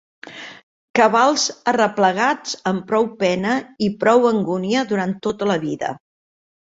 Cabals arreplegats amb prou pena i prou angúnia durant tota una vida